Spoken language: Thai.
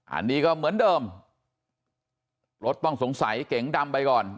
อันนี้ก็เหมือนเดิมรถต้องสงสัยเก๋งดำไปก่อน